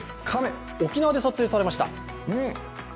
沖縄で撮影されました。